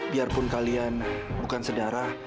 biarpun kalian bukan saudara